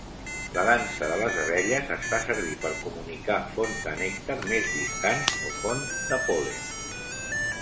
La dansa de les abelles es fa servir per comunicar fonts de nèctar més distants o fonts de pol·len.